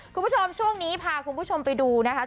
คุณผู้ชมช่วงนี้พาคุณผู้ชมไปดูนะคะ